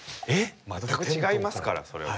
全く違いますからそれは。